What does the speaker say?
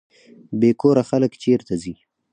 بې کوره خلک چیرته ځي؟